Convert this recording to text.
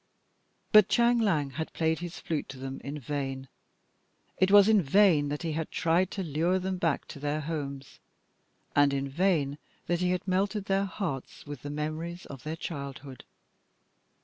But Chang Liang had played his flute to them in vain. It was in vain that he had tried to lure them back to their homes, and in vain that he had melted their hearts with the memories of their childhood.